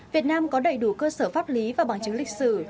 việt nam có đầy đủ cơ sở pháp lý và bằng chứng lịch sử